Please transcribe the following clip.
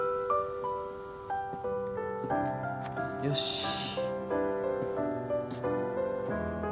よし。